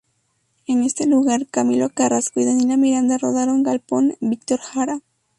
En este lugar, Camilo Carrasco y Daniela Miranda rodaron "Galpón Víctor Jara.